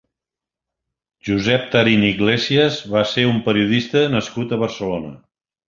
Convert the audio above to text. Josep Tarín Iglesias va ser un periodista nascut a Barcelona.